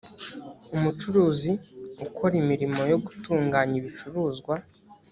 umucuruzi ukora imirimo yo gutunganya ibicuruzwa